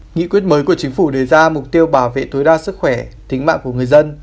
nghị quyết mới của chính phủ đề ra mục tiêu bảo vệ tối đa sức khỏe tính mạng của người dân